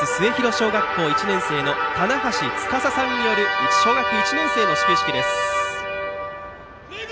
小学校１年生のたなはしつかささんによる小学１年生の始球式です。